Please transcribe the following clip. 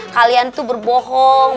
kalian tuh berbohong